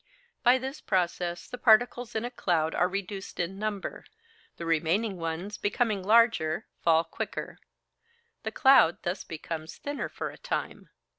By this process the particles in a cloud are reduced in number; the remaining ones, becoming larger, fall quicker. The cloud thus becomes thinner for a time.